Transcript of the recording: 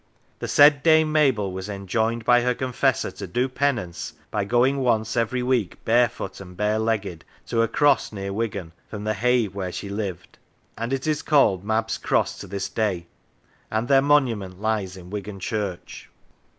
The said Dame Mabel was enjoined by her confessor to do penance by going once every week barefoot and barelegged to a cross near Wigan from the Haigh whilst she lived, and is called Mab's Cross to this day, and their monument lies in Wigan Church."